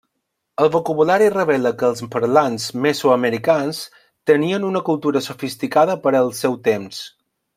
El vocabulari revela que els parlants mesoamericans tenien una cultura sofisticada per al seu temps.